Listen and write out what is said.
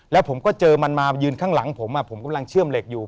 แล้วผมก็เจอมันมายืนข้างหลังผมผมกำลังเชื่อมเหล็กอยู่